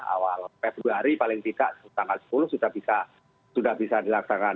awal februari paling tidak tanggal sepuluh sudah bisa dilaksanakan